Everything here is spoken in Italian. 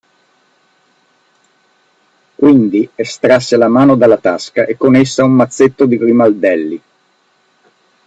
Quindi estrasse la mano dalla tasca e con essa un mazzetto di grimaldelli.